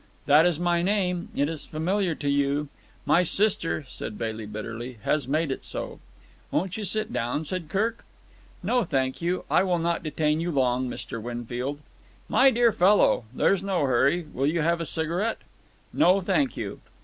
"That is my name. It is familiar to you. My sister," said Bailey bitterly, "has made it so." "Won't you sit down?" said Kirk. "No, thank you. I will not detain you long, Mr. Winfield." "My dear fellow! There's no hurry. Will you have a cigarette?" "No, thank you."